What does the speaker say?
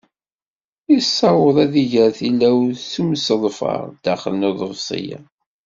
Yessaweḍ ad iger tilawt s umseḍfer daxel n uḍebsi-a.